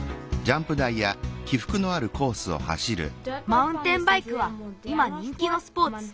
マウンテンバイクはいまにんきのスポーツ。